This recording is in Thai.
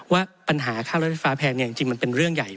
ว่าปัญหาค่ารถไฟฟ้าแพงจริงมันเป็นเรื่องใหญ่